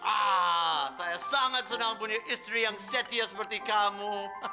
ah saya sangat senang mempunyai istri yang setia seperti kamu